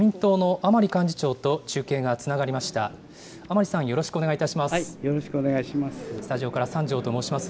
甘利さん、よろしくお願いいたします。